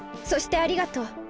そしてありがとう。